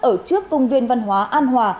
ở trước công viên văn hóa an hòa